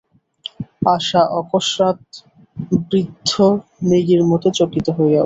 আশা অকসমাৎ বিদ্ধ মৃগীর মতো চকিত হইয়া উঠিল।